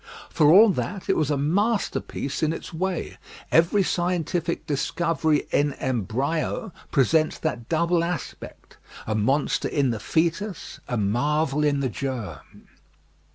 For all that, it was a masterpiece in its way. Every scientific discovery in embryo presents that double aspect a monster in the foetus, a marvel in the germ.